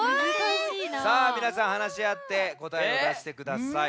さあみなさんはなしあってこたえをだしてください。